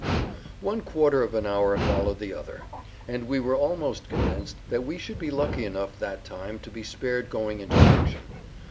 One quarter of an hour followed the other, and we were almost convinced that we should be lucky enough that time to be spared going into action.